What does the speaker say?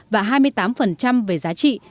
hai mươi tám về giá trị